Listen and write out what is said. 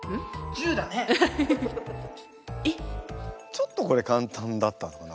ちょっとこれ簡単だったのかな？